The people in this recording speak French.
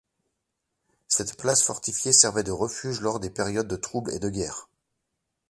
Cette place fortifiée servait de refuge lors des périodes de troubles et de guerre.